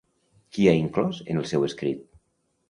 Qui ha inclòs en el seu escrit?